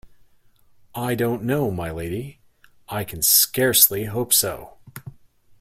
I don't know, my Lady; I can scarcely hope so.